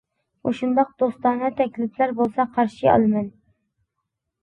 مۇشۇنداق دوستانە تەكلىپلەر بولسا قارشى ئالىمەن!